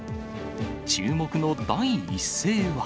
注目の第一声は。